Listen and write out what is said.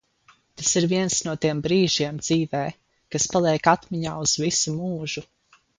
Tas ir viens no tiem brīžiem dzīvē, kas paliek atmiņā uz visu mūžu.